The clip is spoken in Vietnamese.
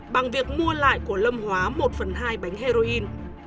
bằng việc mua lại của lâm hóa một phần hai bánh heroin